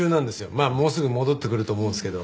まあもうすぐ戻ってくると思うんですけど。